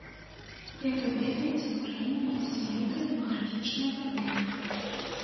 Як вы ведаеце, у краіне ёсць вялікая дэмаграфічная праблема.